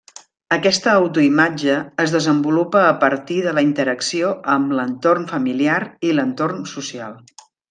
Aquesta autoimatge es desenvolupa a partir de la interacció amb l'entorn familiar i l'entorn social.